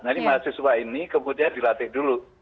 nah ini mahasiswa ini kemudian dilatih dulu